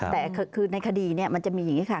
แต่คือในคดีมันจะมีอย่างนี้ค่ะ